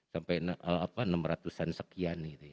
sampai enam ratus an sekian